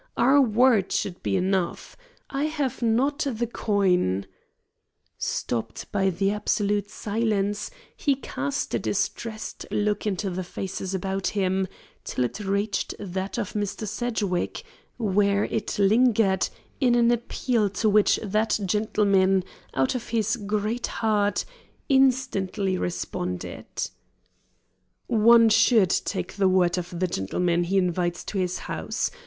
Our word should be enough. I have not the coin " Stopped by the absolute silence, he cast a distressed look into the faces about him, till it reached that of Mr. Sedgwick, where it lingered, in an appeal to which that gentleman, out of his great heart, instantly responded. "One should take the word of the gentleman he invites to his house.